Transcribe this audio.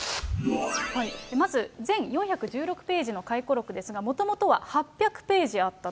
まず、全４１６ページの回顧録ですが、もともとは８００ページあったと。